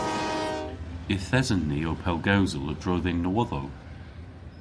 Yth esen ni ow pellgewsel a-dro dhe'n nowodhow.